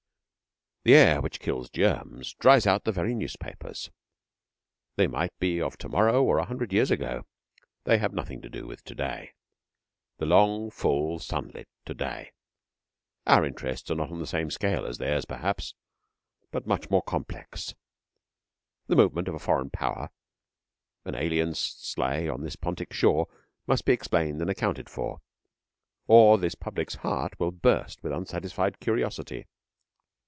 The air which kills germs dries out the very newspapers. They might be of to morrow or a hundred years ago. They have nothing to do with to day the long, full, sunlit to day. Our interests are not on the same scale as theirs, perhaps, but much more complex. The movement of a foreign power an alien sleigh on this Pontic shore must be explained and accounted for, or this public's heart will burst with unsatisfied curiosity.